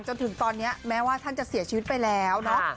จนถึงตอนนี้แม้ว่าท่านจะเสียชีวิตไปแล้วเนาะ